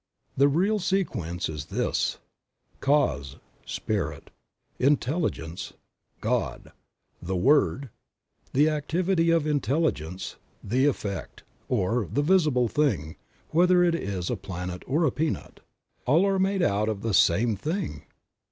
The real sequence is this : Cause, Spirit, Intelligence, God; the Word, the activity of Intel ligence; the effect, or the visible thing, whether it is a planet or a peanut. All are made out of the same thing.